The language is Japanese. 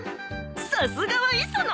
さすがは磯野。